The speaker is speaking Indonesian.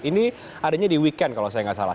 ini adanya di weekend kalau saya nggak salah